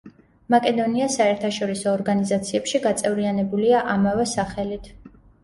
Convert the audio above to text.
მაკედონია საერთაშორისო ორგანიზაციებში გაწევრიანებულია ამავე სახელით.